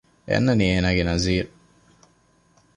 އެ އަންނަނީ އޭނާގެ ނަޒީރު